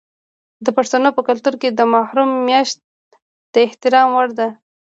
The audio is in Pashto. د پښتنو په کلتور کې د محرم میاشت د احترام وړ ده.